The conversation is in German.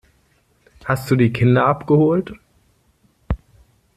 Hast du die Kinder abgeholt.